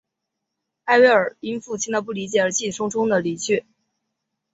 艾薇尔因父亲的不理解而气冲冲地离去。